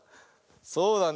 そうだね。